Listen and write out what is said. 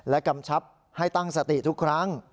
กำชับให้ตั้งสติทุกครั้ง